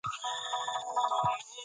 دا یو ځنځیر دی.